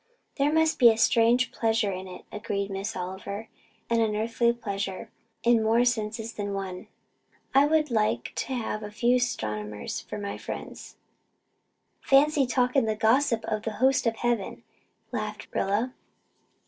"There must be a strange pleasure in it," agreed Miss Oliver, "an unearthly pleasure, in more senses than one. I would like to have a few astronomers for my friends." "Fancy talking the gossip of the hosts of heaven," laughed Rilla.